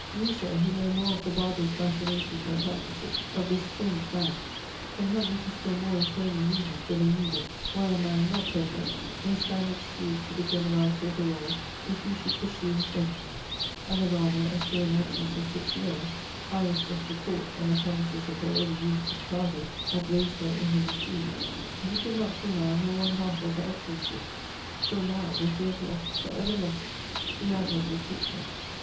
You, Sir, who know more of the barbarous machinations and practices of this strange man, can help me to still more inflaming reasons, were they needed, why a man, not perfect, may stand excused to the generality of the world, if he should pursue his vengeance; and the rather, as through an absence of six years, (high as just report, and the promises of her early youth from childhood, had raised her in his esteem,) he could not till now know one half of her excellencies till now! that we have lost, for ever lost, the admirable creature!